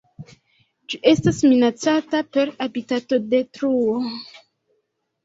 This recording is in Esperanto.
Ĝi estas minacata per habitatodetruo.